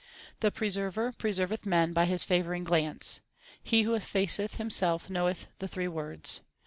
The Preserver preserveth men by His favouring glance. He who effaceth himself knoweth the three worlds.